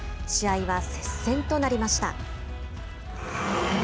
試合は接戦となりました。